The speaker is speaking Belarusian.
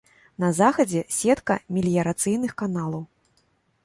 На захадзе сетка меліярацыйных каналаў.